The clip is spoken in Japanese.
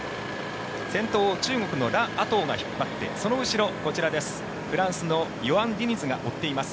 先頭を中国のラ・アトウが引っ張ってその後ろ、こちらフランスのヨアン・ディニズが追っています。